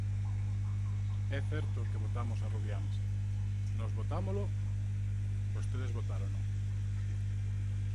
É certo que votamos a Rubiáns, nós votámolo, vostedes botárono.